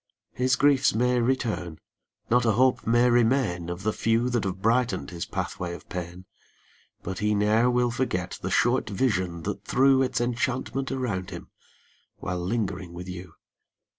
5 His griefs may return, not a hope may remain Of the few that have brighten 'd his pathway of pain, But he ne'er will forget the short vision that threw Its enchantment around him, while lingering with you.